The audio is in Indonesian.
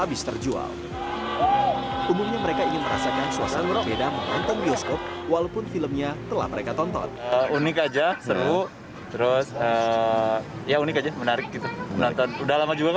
walaupun filmnya telah mereka tonton unik aja seru terus ya unik aja menarik menonton udah lama juga